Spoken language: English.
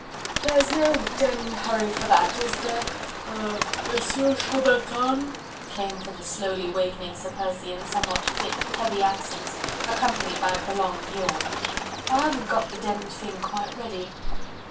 "There's no demmed hurry for that, is there... er... Monsieur Chaubertin?..." came from the slowly wakening Sir Percy in somewhat thick, heavy accents, accompanied by a prolonged yawn. "I haven't got the demmed thing quite ready..."